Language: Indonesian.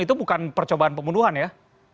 itu bukan percobaan pembunuhan ya